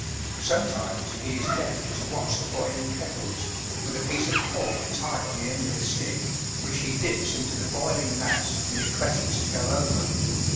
Sometimes he is left to watch the boiling kettles, with a piece of pork tied on the end of a stick, which he dips into the boiling mass when it threatens to go over.